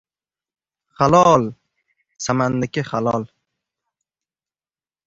— Halo-o-ol! Samanniki halol!